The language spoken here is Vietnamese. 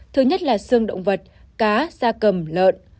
thứ nhất là xương động vật cá da cầm lợn